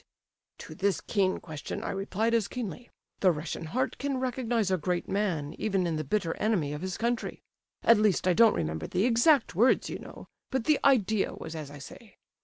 _' "To this keen question I replied as keenly, 'The Russian heart can recognize a great man even in the bitter enemy of his country.' At least, I don't remember the exact words, you know, but the idea was as I say.